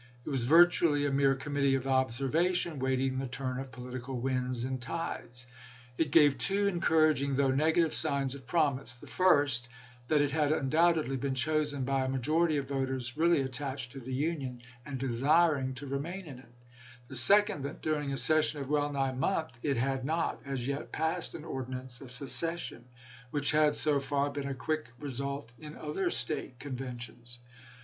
It was virtually a mere committee of observation, waiting the turn of political winds and tides. It gave two encouraging though negative signs of promise ; the first, that it had undoubtedly been chosen by a majority of voters really attached to the Union and desiring to remain in it ; the second, that dur ing a session of well nigh a month it had not as yet passed an ordinance of secession, which had so far been a quick result in other State conventions.